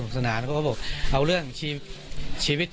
เพลงที่สุดท้ายเสียเต้ยมาเสียชีวิตค่ะ